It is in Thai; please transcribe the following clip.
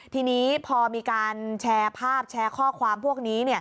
ทีนี้พอมีการแชร์ภาพแชร์ข้อความพวกนี้